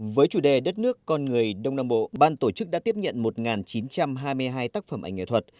với chủ đề đất nước con người đông nam bộ ban tổ chức đã tiếp nhận một chín trăm hai mươi hai tác phẩm ảnh nghệ thuật